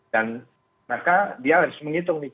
dan maka dia harus menghitung nih